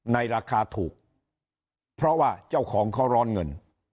ในราคาถูกเพราะว่าเจ้าของเขาร้อนเงิน